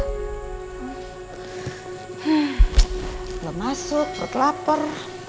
belum masuk gue kelaper